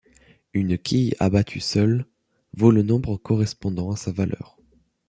Une quille abattue seule vaut le nombre correspondant à sa valeur.